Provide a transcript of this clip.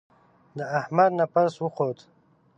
د احمد نفس وخوت.